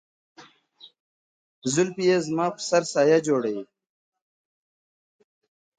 زلفي يې زما پر سر سايه جوړوي~